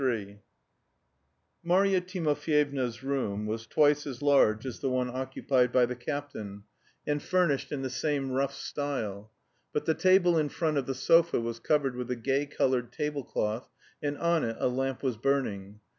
III Marya Timofyevna's room was twice as large as the one occupied by the captain, and furnished in the same rough style; but the table in front of the sofa was covered with a gay coloured table cloth, and on it a lamp was burning.